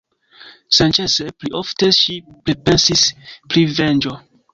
Senĉese pli ofte ŝi pripensis pri venĝo.